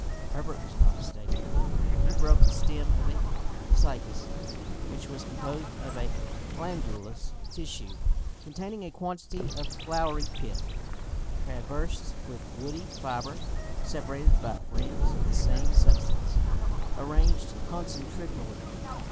Herbert was not mistaken: he broke the stem of a cycas, which was composed of a glandulous tissue, containing a quantity of floury pith, traversed with woody fibre, separated by rings of the same substance, arranged concentrically.